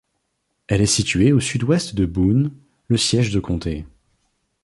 Elle est située au sud-ouest de Boone, le siège de comté.